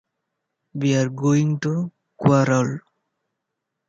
We’re going to Querol.